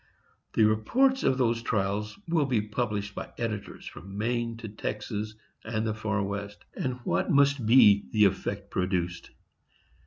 The reports of those trials will be published by editors from Maine to Texas and the far West; and what must be the effect produced?